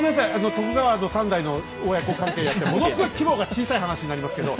徳川の３代の親子関係やってものすごい規模が小さい話になりますけど。